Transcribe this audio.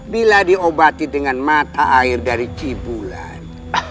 bila diobati dengan mata air dari cibulan